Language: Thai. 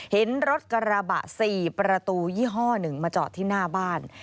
เห็นรถกระบะ๔ประตูยี่ห้อหนึ่งมาจอดที่หน้าบ้าน